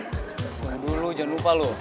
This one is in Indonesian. tunggu dulu jangan lupa lo